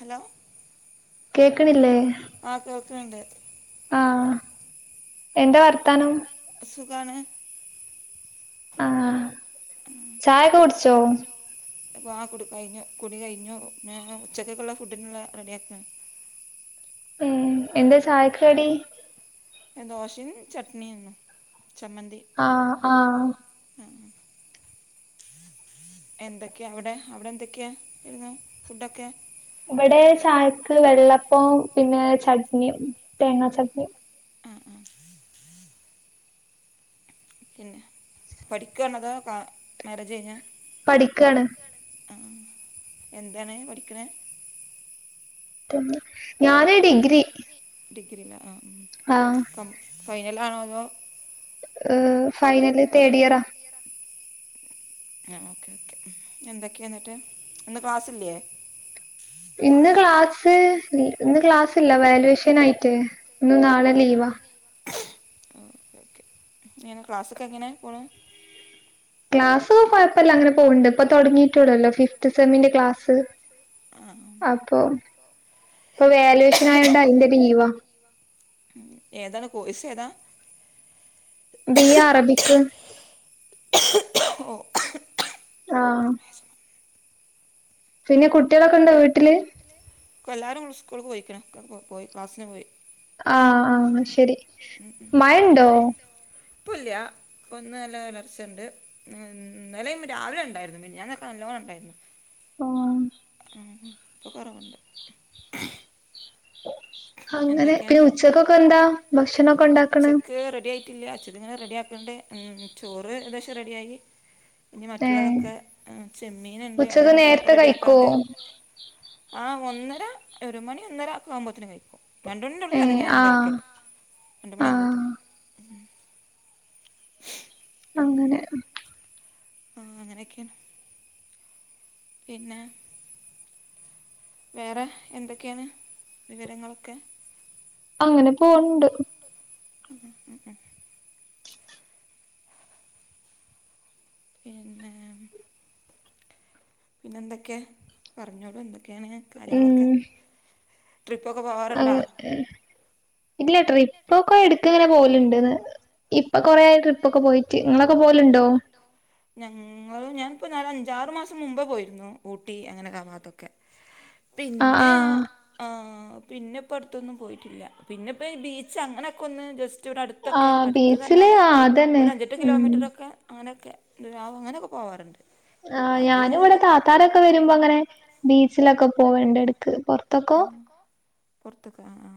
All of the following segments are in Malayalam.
ഹലോ. കേൾക്ണില്ലേ? ആഹ കേൾക്ണ് ണ്ട് എന്താർത്താ നം. അസുഖാണ്. ആഹ ചായ ഒക്കെ കുടിച്ചോ? അപ്പൊ ആ കുടി കഴിഞ്ഞു കുട കഴിഞ്ഞു ഉച്ചക്കൊക്കുള്ള ഫുഡിനുള്ള റെഡി ആാക്കണ്. എന്താ ചായക്കടി ദോശയും ചട്ണിയു ചമ്മന്തി. ഉം ആ ആ ഉം ഉം. എന്തൊക്കെയാ അവിടെ അവിടെ എന്തൊക്കെയാരുന്നു ഫുഡൊക്കെ. ഇവിടെ ചായക്ക് വെള്ളപ്പവും പിന്നെ ചട്നിയും തേങ്ങാ ചട്നി. ആഹ ആഹ. പിന്നെ പഠിക്കണതാ മാരേജ കയ്ഞ്ഞതാ പഠികാണ്. ആ എന്താണ് പഠിക്ണ്. ഞാന് ഡിഗ്രി. ഡിഗ്രില ആഹ് ആഹ. ഫൈനലാണോ അതോ ഹ ഫൈനല് തേർഡ് ഇയറാ. ആ ഓകെ ഓകെ എന്തൊക്കെന്ന്‌ട്ട് ഇന്ന് ക്ലാസ്സ്ല്ലേ? ഇന്ന് ക്ലാസ് ഇന്ന് ക്ലാസ് ഇല്ല വല്വേഷൻ ആയിട്ട് ഇന്ന് നാളെ ലീവാ. ങ്ങനെ ക്ലാസൊക്കെ എങ്ങനെ പോണ്. ക്ലാസ് കുഴപ്പല്ല അങ്ങനെ പോണ്ണ്ട് ഇപ്പൊ തുടങ്ങിയിട്ടുള്ളല്ലോ ഫിഫ്ത് സെമിന്റെ ക്ലാസ്. അപ്പൊ ഇപ്പൊ വോലുയേഷൻ ആയോണ്ട് അതിന്റെ ലീവാ. ഏതാണ് കോഴ്‌സ് ഏതാ. B Arabic. ഓ. ആഹ. പിന്നെ കുട്ട്യോളൊക്കെ ഉണ്ടോ വീട്ടില്. എല്ലാരും സ്കൂളിൽ പോയിക്ണ് പോയി ക്ലാസ്സിന് പോയി. ആഹ ആഹ ശരി ഉ ഉ മഴണ്ടോ ഇപ്പോല്ല ഒന്ന് നല്ല ഉലർച്ചണ്ട്. ഉ ഇന്നലെ രാവിലെണ്ടായിരുന്നു മിനിഞ്ഞാന്നൊക്കെ നല്ലോണം ഉണ്ടായിരുന്നു. ഉം മ് ഇപ്പൊകുറവുണ്ട്. അങ്ങനെ പിന്നെ ഉച്ചക്കൊക്കെന്താ ഭക്ഷണൊക്കെ ഉണ്ടാക്കണ്. ഏഹ് റെഡിആയിട്ടില്ല ച്ച തിങ്ങനെ റെഡിയ ആക്കണ്ട് ചോറ് ഏകദേശം റെഡിയായി. ഇനി മറ്റുള്ളതൊക്കെ ചെമ്മീനുണ്ട് അത് റെഡിയക്കാണ്ട് ആഹ് ഒന്നര ഒരു മണി ഒന്നര ആക്കവുമ്പോത്തിന് കഴിക്കും രണ്ടണിന്റെ ഉള്ളിൽ അതെങ്ങനെയാണ് കഴിക്കൽ രണ്ട് മണിയാകുമ്പോത്തേന് അങ്ങനെ ആഹ അങ്ങനെയൊക്കെയാണ്. പിന്നെ വേറെ എന്തൊക്കെയാണ് വിവരങ്ങളൊക്കെ അങ്ങനെ പോണണ്ട്. ഉം ഉം ഉം ഉം പിന്നെ പിന്നെ എന്തൊക്കെ പറഞ്ഞോളൂ എന്തൊക്കെയാണ് കാര്യങ്ങളൊക്കെ ട്രിപ്പൊക്കെ പോവാ.. അങ് ഇല്ല ട്രിപ്പൊക്കെ എടുക്കങ്ങനെ പോകലുണ്ട്ന്ന് ഇപ്പൊ കൊറേ ആയി ട്രിപ്പോക്കെ പോയിട്ട് നിങ്ങളൊക്കെപോക ലുണ്ടോ. ഞങ്ങൾ ഞാനിപ്പോ നാല് അഞ്ചാറ്മാസം മുമ്പേപോയിരുന്നു ഊട്ടി അങ്ങനെ കാ ഭാത്തൊക്കെ പിന്നെ ആഹ പിന്നെ ഇപ്പോഅടുത്തൊന്നും പോയിട്ടില്ല പിന്നെ ഇപ്പോൾ ഈ ബീച്ച് അങ്ങനെയൊക്കെ ഒന്ന് ജസ്റ്റ് അടുത്തൊക്കെ അടു ന്നാല് ഒരഅഞ്ചെട്ട് കിലോമീറ്റർൊക്കെ അങ്ങനെയൊക്കെ അങ്ങനെയൊക്കെ പോവാറുണ്ട് ആഹ് ഞാനും ഇവിടെ താത്താരൊക്കെ വരുമ്പോ അങ്ങനെ ബീച്ചിലൊക്കെ പോവേണ്ടടുക്ക് പുറ ആഹ പൊറതൊക്കെആഹ ആഹ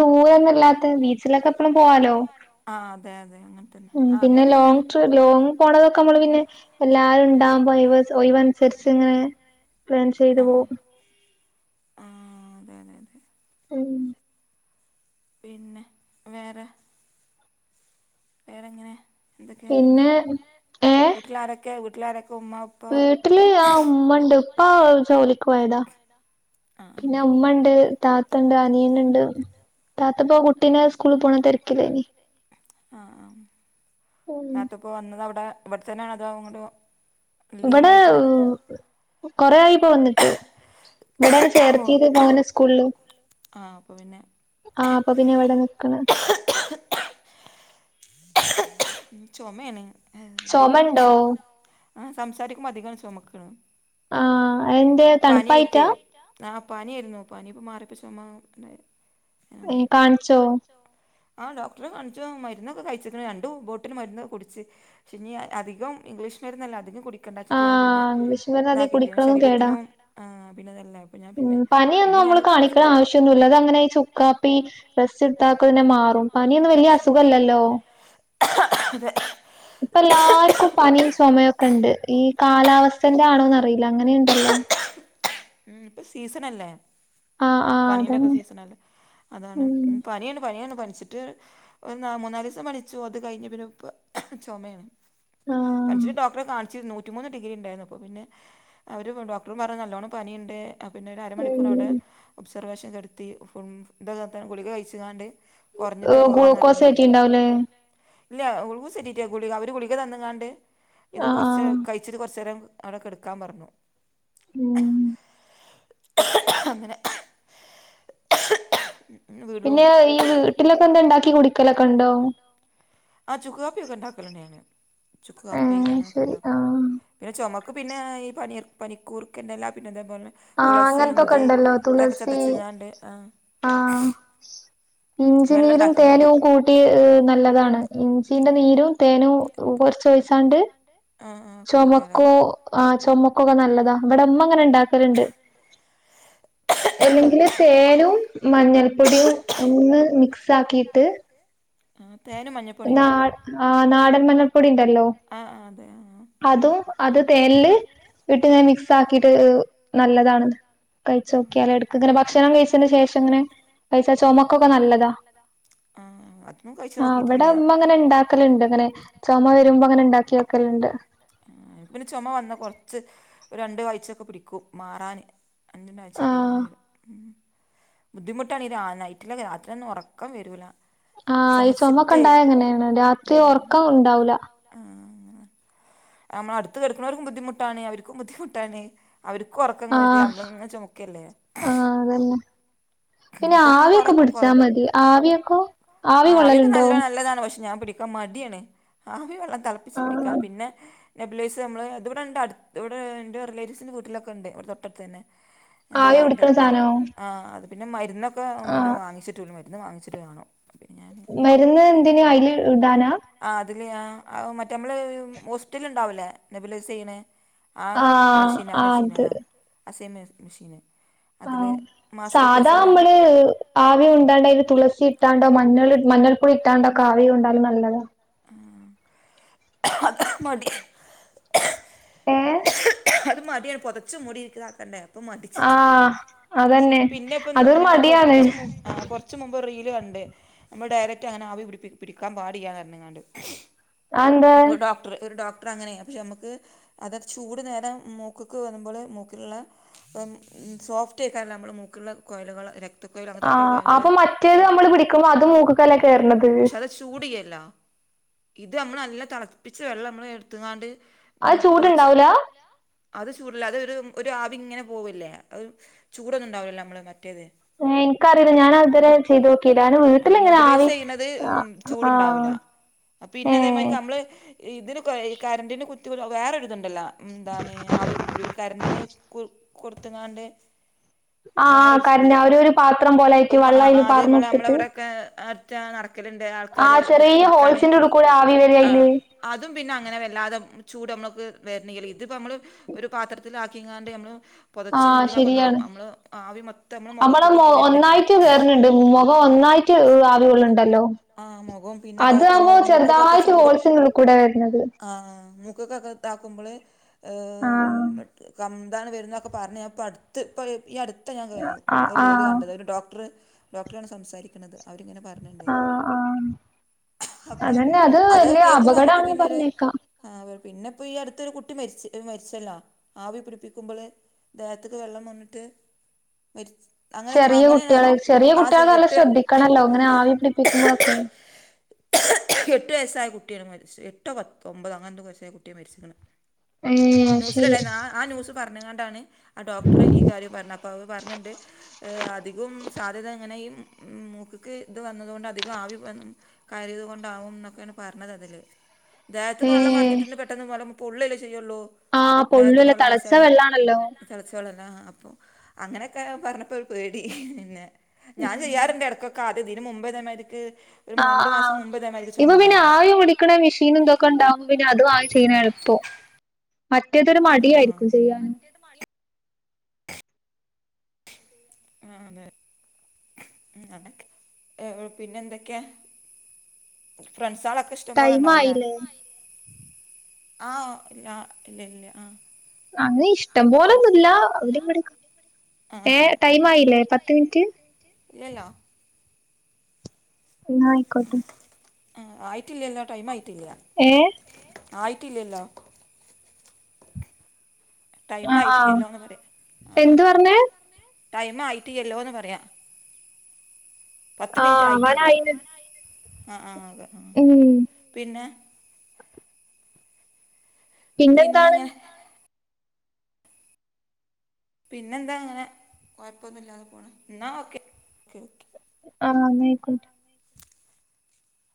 അധികം ദൂരംന്നുല്ലാതോട് പോവാലോ അ ആ അതെ അതെ അങ്ങനന്നെ. ഉ പിന്നെ ലോങ് ട്ര ലോങ് പോണതൊക്കെ നമ്മള് പിന്നെ എല്ലാവരും ഉണ്ടാവകുമ്പൊ ഓയ്‌വനു.. ചരിച്ചിങ്ങനെ പ്ലാൻ ചെയ്തു പോവും. ആഹ് അതെ അതെ അതെ ഉം പിന്നെ വേറെ വേറെങ്ങനെ എന്തൊക്കെയാ പിന്നെ വീട്ടിലാരൊക്കെ വീട്ടിലാരൊക്കെ ഉമ്മ ഉ.. വീട്ടില് ആഹ് ഉമ്മണ്ട് ഉപ്പാ ജോലിക്ക് പോയതാ പിന്നെ ഉമ്മണ്ട്. താത്തണ്ട് അനിയനുണ്ട് താത്തപ്പോ കുട്ടീനെ സ്കൂളിൽ പോണ തിരക്കില്ലേനി. ആഹ് ആഹ് താത്തപ്പോ വന്നത് അവിടെ ഇവിടെത്തന്നെയണ അതോ അങ്ങോട്ട ഇബടെ ഉം കൊറായിപ്പോ വന്നിട്ട് ഇവിടെയാണ് ചേർത്തിയത് മോനെ സ്കൂളിൽ. ആഹ് അപ്പോപിന്നെ ആഹ് അപ്പൊ പിന്നെ ഇവിടെ നിക്കണ് ചുമയാണ് താണ് ചൊമണ്ടോ. ആഹ് സംസാരിക്കുമ്പോ അധികാണ് ചൊമക്കണ് പനിയ്ട്ട് ആ പനിയായിരുന്നു പനിമാറിയപ്പോ ചൊമ ആയി. ഏഹ് കാണിച്ചോ ആ ഡോക്ടറെ കാണിച്ചു മരു.. മരുന്നൊ കഴിച്ചക്ണ് രണ്ടും ബോട്ടിൽ മരുന്ന് കുടിച്ച് ക്ഷെ ഇഞ്ഞി അധികം ഇംഗ്ലീഷ് മരുന്നല്ലേ അധികം കുടി.. ക്കണ്ടച്ചിട്ട് ഞാൻ പിന്നെ താക്കിട്ട ശരീത്തിനും പിന്നെതല്ലഞാ.. ഉം പനിയൊന്നും അമ്മള് കാണിക്കണ ആവശ്യൊന്നുല്ല അത് അങ്ങനെ ഈ ചുക്കാപ്പി റെസ്റ്റ് ഇടുത്താക്കങ്ങന്നെ മാറും. പനിയൊന്നും വലിയ അസുഖല്ല ലോ ഇപ്പല്ലാർക്കും പനിയും ചുമയും ഒക്കെണ്ട്. ഈ കാലാവസ്ഥന്റെ ആണോന്നറിയില്ല അങ്ങനേം ണ്ടല്ലോ. ഉം ഇപ്പൊ സീസണല്ലേ പനീന്റൊക്കെ സീസണല്ലേ അതാണ്, പനിയാണ് പനിയാണ് പനിച്ചിട്ട് ആഹ് മൂന്നാല് ദിവസം പനിച്ചു, അത് കഴിഞ്ഞ് പിന്നെ ഇപ്പ ചൊമയാണ്. പനിച്ചിട്ട് ഡോക്ടറെ കാണിച്ചിരുന്നു മൂന്ന് ഡിഗ്രി ഉണ്ടായിരുന്നു അപ്പോ പിന്നെ അവര് പറഞ്ഞ് ഡോക്ടറും പറഞ്ഞു നല്ലോണ്ണം പനിയുണ്ട്. അ പിന്നെ ഒരു അരമണിക്കൂർ അവിടെ ഒബ്സർവേഷൻ കെട്ത്തി, [unintelligible] ഗുളിക കഴിച്ച്ങ്കാണ്ട് കൊറഞ്ഞിട്ട് പോവാന്നർണ്ങ്ങാണ്ട് ഇല്ല ഗുളിഗൂസെറ്റീല്ല, ഗുളിക അവര് ഗുളിക തന്നങ്ങാണ്ട് ഇത് കൊറച്ച് കഴിച്ചിട്ട് കൊറച്ചേരം അവിടെ കെടക്കാൻ പറഞ്ഞു ഉം അങ്ങനെ [unintelligible] പിന്നെ ഈ വീട്ടിലൊക്കെ ന്താ ണ്ടാക്കി കുടിക്കലൊക്കെ ണ്ടോ ആഹ് ചുക്ക് കാപ്പിയൊക്കെ ഇണ്ടാക്കല്ണ്ട് ഞാന്, ചുക്ക് കാപ്പി അങ്ങനെയൊക്കെ ണ്ടാക്കും. പിന്നെ ചുമക്ക് പിന്നെ ഈ പനിർ പനിക്കൂർക്കന്റല പിന്നെ അതേപോലെ തുളസി ഇഞ്ചി ഇതൊക്കെ ചതച്ച്ങ്ങാണ്ട് ആ ആഹ് ഇഞ്ചിനീരും തേനും കൂട്ട് ട്ട് അ് നല്ലതാണ് ഇഞ്ചീന്റെ നീരും തേനും കുറച്ച് ഒയിച്ചാണ്ട് ചൊമക്കൂ ആ ചൊമക്കൊക്കെ നല്ലതാ. വിടെ ഇമ്മ ങ്ങനെ ഇണ്ടാക്കല്ണ്ട്. എല്ലെങ്കില് തേനും മഞ്ഞൾപ്പൊടിയും ഒന്ന് മിക്സ് ആക്കീട്ട് ആ തേനും മഞ്ഞ നാ ആഹ് നാടൻമഞ്ഞൾപ്പൊടി ണ്ടല്ലോ. അതും അത് തേനില് ഇട്ട് ഇങ്ങനെ മിക്സ് ആക്കിട്ട് നല്ലതാണ് കഴിച്ചോക്കിയാല് എടുക്കിങ്ങനെ ഭക്ഷണം കഴിച്ചതിന് ശേഷം ഇങ്ങനെകഴിച്ച ചുമക്കൊക്കെ നല്ലതാ [unintelligible] ആ ആ അത് കഴിച്ച നോക്ക വടെ മ്മ ങ്ങനെ ണ്ടാക്കല്ണ്ട് ങ്ങനെ ചുമ വരുമ്പോ ങ്ങനെ ണ്ടാക്കി വക്കല്ണ്ട്. പിന്നെ ചുമ വന്നാ കൊറ്ച്ച് ഒരു രണ്ട് ആഴ്ചൊക്കെ പിടിക്കൂ മാറാന്. അന്ണ്ടഴ്ച്ചക്കെ ങ്ങനെ വരും ആഹ് ഉം ബുദ്ധിമുട്ടാണ് ഈ രാ നൈറ്റില് ഒക്കെ രാത്രി ഒന്നും ഉറക്കം വരൂല. ആഹ് ഈ ചുമൊക്കെ ണ്ടായ അങ്ങനേണ് രാത്രി ഒർക്കം ണ്ടാവൂല്ല. ആഹ് അങ്ങനെ ആഹ് മ്മള അടുത്ത് കെട്ക്കുണോര്ക്കും ബുദ്ധിമുട്ടാണ്, അവർക്കും ബുദ്ധിമുട്ടാണ്. അവർക്കും ഉറക്കങ് വരില്ല നമ്മളിങ്ങനെ ചൊമക്കല്ലേ ആഹ് അതന്നെ പിന്നെ ആവിയൊക്കെ പിടിച്ചാ മതി ആവിയൊക്കോ ആവി കൊള്ളലുണ്ടോ പ്പ മടിയാണ് ആവി വെള്ളം തിളപ്പിച്ച് പിടിക്കാൻ പിന്നെ നെബ്ലഴ്സ് നമ്മള് അത് ഇവിടെണ്ട് അടുത്ത് ഇവിടെ എന്റെ റിലേറ്റീവ്സിന്റെ വീട്ടിലൊക്കണ്ട് ഇവിടെ തൊട്ടടുതെന്നെ ഏഹ് എന്റെ അ ആ അത് പിന്നെ മരുന്നൊക്കെ പിന്നെ വാങ്ങിച്ചിട്ടൂല്ല മരുന്ന് വാങ്ങിച്ചിട്ട് വേണൊ. മര്ന്ന് എന്തിന് അയിൽ ഇടാനാ ആഹ് അതില് ആഹ്, മറ്റേ മ്മള് മോസ്റ്റിൽ ഇണ്ടാവൂലേ നെബുലൈസ്യയ്യണെ ആഹ് മെഷീന് ആ മെഷീന് ആഹ് ആ സെയിം മെഷീന് അതില് മാസ്ക് ച്ച്ങ്ങാണ്ട് ആവികൊണ്ടാണ്ട് അയിൽ തുളസി ഇട്ടാണ്ടോ മഞ്ഞൾ മഞ്ഞൾപ്പൊടി ഇട്ടാണ്ടൊക്കെ ആവി കൊണ്ടാല് നല്ലതാ ആഹ് അത് മതി അത് മതി പൊതച്ച് മൂടിതീക്ക് ആക്കണ്ടേ ആഹ് അതന്നെ പിന്നെ ഇപ്പ ഇന്ന് പ്പ ഞൻ കൊറച്ച് ആഹ് കൊർ ച്ച് മുമ്പ് റീൽ കണ്ട് നമ്മൾ ഡയറക്റ്റ് അങ്ങനെ ആവി പിടിക്കാൻ പാടില്ലർ ഞങ്ങാണ്ട് [unintelligible] ട്‌ർ ഒര് ഡോക്ടർ അങ്ങനെ അത് ക്ഷേ നമ്മക്ക് അത് ചൂട് നേരേ മൂക്ക്ക്ക് വരുമ്പള് മൂക്കില്ള്ള പ്പം സോഫ്റ്റ് ഏക്കാരല്ലേ നമ്മള് മൂക്കില്ള്ള കോയല്കള് രക് ആഹ് അപ്പൊ മറ്റേത് നമ്മള് പിടിക്കുമ്പോ അത് മൂക്ക്ക്കല്ലെ കേറ്ണത്. ചൂടിയല്ലോ ഇത് നമ്മൾ നല്ല തെളപ്പിച്ച വെള്ളം നമ്മൾ എടുത്ത്ങ്ങാണ്ട് ഉം പൊതച്ച് ചൂട്ണ്ടാവുല അത് ചൂടില്ല അത് ഒരു ആവി ഇങ്ങനെ പോവല്ലേ ചൂടൊന്നും ഉണ്ടാവില്ല നമ്മള് മറ്റേത് ഇൻക്കറീല ഞാന് അഹ് ഇതരെ ചൈയ്തോക്കീല്ല നെബ് ലൈസ് ചെയ്യ്ണത് ചൂടുണ്ടാവൂല പിന്നെ അതേമായിരി നമ്മള് ഇതിന് കരണ്ട്ന് കുത്തി വേറെരിതുണ്ടല്ലോ എന്താണ് ആവി പിടിക കറന്റിന് കൊടുത്തങ്ങാണ്ട്. വേറെൊരു ഇത് നമ്മളവിടെക്കെ അ നട ക്കല്ണ്ട് ആൾക്കാര് വിൽക്കാന് ആ അതും പിന്നെ അങ്ങനെ വല്ലാതെ ചൂട് നമ്മള്ക്ക് വര്ണെങ്കി ഇതിപ്പോ നമ്മള് ഒരു പാത്രത്തില ആക്കിങ്ങാണ്ട് നമ്മള് പൊതച്ചു മൂടിങ്ങാണ്ട് നമ്മള് ആവി മൊത്തം നമ്മള് നമ്മളെ മൊ ഒന്നായിട്ട് കേറ് ണ് ണ്ട് മുഖം ഒന്നായിട്ട് ആവി കൊള്ള്ണ്ടല്ലോ ആഹ് മൊഖവും പിന്നെ പ്പ പ്പം മൂക്ക്ക്കൊക്കെ ചൂട് ആഹ് മൂക്ക്ക്കൊക്കെ. താക്കുമ്പോൾ ങെ [unintelligible] ന്താണ് വരുന്നൊ ക്കെ പറഞ്ഞ് ഞാ പ്പം അടുത്ത് ഇപ്പം ഈ അട് ഇറ്റ ഞാൻ ഒരു റീൽ കണ്ടത് ഒരു ഡോക്ടർ ഡോക്ടറാണ് സംസാരിക്ക്ണത് അവരിങ്ങനെ പർഞ്ഞിണ്ട് അപ്പ അതൊക്കെ കേക്കുമ്പോ നമ്മുക്ക് പിന്നൊരു ആ വ് പിന്നെ ഇപ്പ ഈ അടുത്തൊരു കുട്ടി മരിച്ച് മരിച്ചല്ലോ ആവി പിടിപ്പിക്കുമ്പള് ദേഹത്തക്ക് വെള്ളം വന്നിട്ട് വര് ചെറിയ കുട്ടികള് ചെറിയ കുട്ടികളെ നല്ല ശ്രദ്ധിക്കണല്ലോ ങ്ങനെ ആവി പിടിപ്പിക്കുമ്പോളക്കെ എട്ട് വയസ്സായ കുട്ടിയാണ് മരിച്ച എട്ടോ പത്തേ ഒമ്പതേ അങ്ങനെത്തെ വയസ്സായ കുട്ടിയാ മരിച്ച് ക്ക് ണ് ന്യൂസ്ല്ണ്ടായി ആ ന്യൂസ് പറഞ്ഞൊണ്ടാണ് ഡോക്ടർഈ കാര്യ പറഞ്ഞെ പ്റ്ഞ്ഞ്ണ്ട് ഏ അധികവും സാധ്യത എങ്ങനെയ മൂക്ക്ക്ക് ഇത് വന്നത് കൊണ്ട് അധികം ആവി വ കയറിയതുകൊണ്ടാവും എന്നൊക്കെയാണ് പറഞ്ഞത് അതില് ദേഹത്തിക്ക് വെള്ളം മറിഞ്ഞിട്ട് ന്നെ പെട്ടന്ന് പൊള്ല്ലേ ചെയ്യുള്ളൂ. ആഹ് പൊള്ളു ല്ലേ തളച്ച വെള്ള ആണല്ലോ? തെളച്ച വെളല്ലാം അപ്പോ അങ്ങനെയൊക്കെ പറഞ്ഞപ്പോ ഒര് പേടി പിന്നെ ഞാൻ ചെയ്യാറുണ്ട് ഇടക്കൊക്കെ ആദ്യം ഇതിന് മുമ്പ് ഇതേ മായിരിക്ക് ഒരു രണ്ടു മാസം മുമ്പ് ഇതെമായിരി ഒരു ചൊമ ഉണ്ടായിരുന്നു ക്ണമെഷീനും ന്തൊക്കെ ഉണ്ടാവുമ്പോ പിന്നെ അത് വാങ്ങി ചെയ്യ്ണ എളുപ്പം. മറ്റേതൊരു മടിയായിരിക്കും ചെയ്യാൻ ആഹ് അതെ ക്കെ പിന്നെ എന്തൊക്കെയ ഫ്രണ്ട്സളൊക്കെ ഇഷ് ഇ്ടം പോലെ ഉണ്ടാവൂലേ ആഹ് ആ ഇല്ല ഇല്ല ഇല്ല ആഹ് അങ്ങനെ ഇഷ്ടം പോലൊന്നുല്ല അവിടെ ഇവടെക്കെ ഏഹ് ടൈം ആയില്ലേ പത്ത് മിനിറ്റ് ഇല്ലല്ലോ ന്നാ ആയിക്കോട്ടെ ആ ആയിട്ടില്ലലോ ടൈം ആയിട്ടില്ല എഹ് ആയിട്ടില്ലല്ലോ ടൈം ആയിട്ടില്ലല്ലോന്ന് പറയാ ആഹ് ആഹ് ടൈം ആയിട്ടില്ലല്ലോന്ന് പറയാ പത്ത് മിനിറ്റ് ആയിട്ടില്ല ആഹ ആഹ് അതെ ആഹ് ഉം പിന്നെ പിന്നെ ഇങ്ങനെ പിന്നെന്താ അങ്ങനെ കൊഴപ്പൊന്നുംല്ലാതെ പോണ എന്നാ ഓക്കേ ഒക്കെ ഒക്കെ ആഹ് നേക്കും